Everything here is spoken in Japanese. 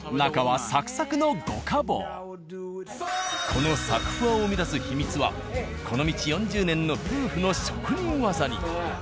このサクふわを生み出す秘密はこの道４０年の夫婦の職人技に。